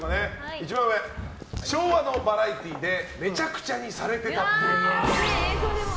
一番上、昭和のバラエティーでメチャクチャにされてたっぽい。